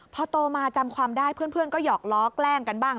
พอโตมาจำความได้เพื่อนก็หยอกล้อแกล้งกันบ้าง